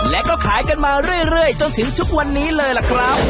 และก็ขายกันมาเรื่อยจนถึงทุกวันนี้เลยล่ะครับ